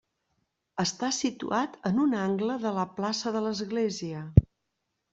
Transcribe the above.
Està situat en un angle de la plaça de l'església.